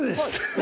え？